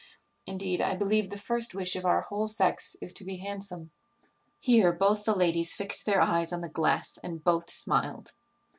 Indeed, I believe the first wish of our whole sex is to be handsome." Here both the ladies fixed their eyes on the glass, and both smiled.